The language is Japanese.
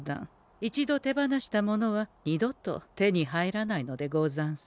一度手放したものは二度と手に入らないのでござんす。